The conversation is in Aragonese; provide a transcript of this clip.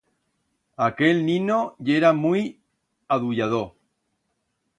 Aquel nino yera muit aduyador.